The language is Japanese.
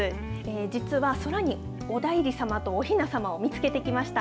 実は、空にお内裏様とおひなさまを見つけてきました。